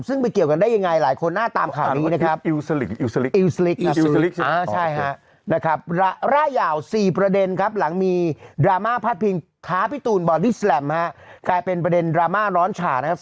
ซึ่งไปเกี่ยวกันได้ยังไงหลายคนน่าตามข่าวนี้นะครับ